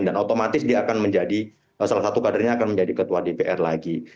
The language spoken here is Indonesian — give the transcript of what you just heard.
otomatis dia akan menjadi salah satu kadernya akan menjadi ketua dpr lagi